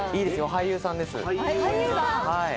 俳優さんです。